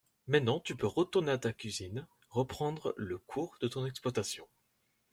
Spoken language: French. Maintenant, tu peux retourner à ta cuisine, reprendre le cours de ton exploitation !…